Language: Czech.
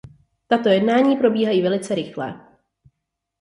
Tato jednání probíhají velice rychle.